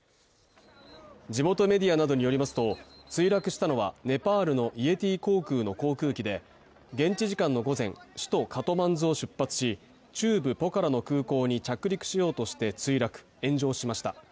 地元メディアなどによりますと墜落したのはネパールのイエティ航空の航空機で、現地時間の午前、首都カトマンズを出発し、中部ポカラの空港に着陸しようとして墜落、炎上しました。